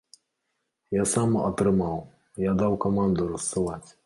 Я сам атрымаў, я даў каманду рассылаць.